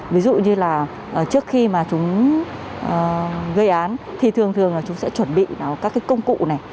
ví dụ như là trước khi mà chúng gây án thì thường thường là chúng sẽ chuẩn bị các cái công cụ này